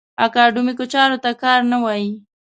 اکاډیمیکو چارو کار نه وي.